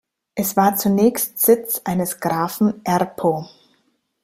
Es war zunächst Sitz eines Grafen Erpo.